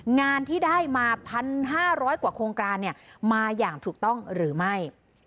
งานที่ได้มา๑๕๐๐กว่าโครงการมาอย่างถูกต้องหรือไม่